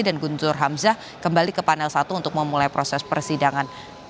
dan guntur hamzah kembali ke panel satu untuk memulai proses persidangan